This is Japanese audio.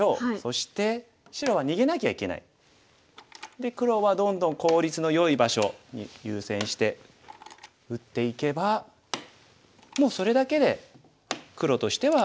で黒はどんどん効率のよい場所に優先して打っていけばもうそれだけで黒としては満足なんですね。